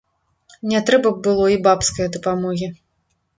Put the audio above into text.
Не трэба б было і бабскае дапамогі.